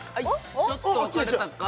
ちょっと分かれたか？